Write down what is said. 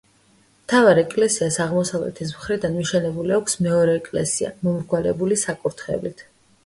მთავარ ეკლესიას აღმოსავლეთის მხრიდან მიშენებული აქვს მეორე ეკლესია, მომრგვალებული საკურთხევლით.